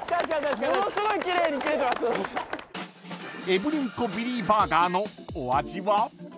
［エブリンコビリーバーガーのお味は？］